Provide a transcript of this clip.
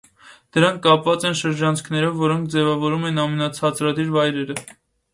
Դրանք կապված են ջրանցքներով, որոնք ձևավորում են ամենացածրադիր վայրերը։